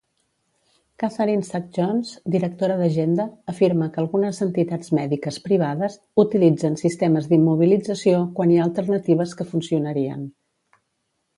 Katharine Sacks-Jones, directora d'Agenda, afirma que algunes entitats mèdiques privades utilitzen sistemes d'immobilització quan hi ha alternatives que funcionarien.